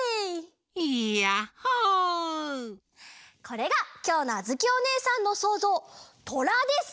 これがきょうのあづきおねえさんのそうぞうトラです！